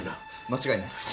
間違いないっす。